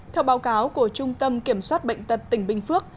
theo báo cáo của trung tâm kiểm soát bệnh tật tỉnh bình phước